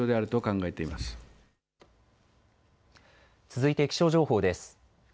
続いて気象情報です。